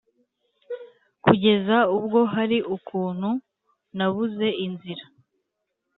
kugeza ubwo hari ukuntu nabuze inzira?